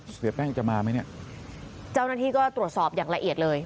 เสียแป้งจะมาไหมเนี่ยเจ้าหน้าที่ก็ตรวจสอบอย่างละเอียดเลย